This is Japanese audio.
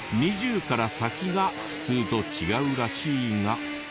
２０から先が普通と違うらしいが。